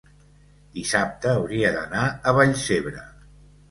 dissabte hauria d'anar a Vallcebre.